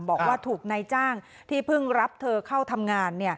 บอกว่าถูกนายจ้างที่เพิ่งรับเธอเข้าทำงาน